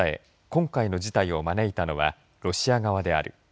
今回の事態を招いたのはロシア側である。